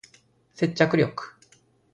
接着力